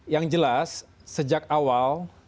yang jelas sejak awal